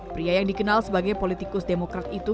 pria yang dikenal sebagai politikus demokrat itu